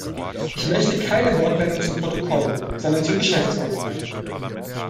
Ich möchte keine Wortmeldung zum Protokoll, sondern zur Geschäftsordnung machen.